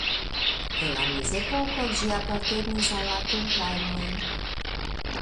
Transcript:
En la Mezepoko ĝi apartenis al la Templanoj.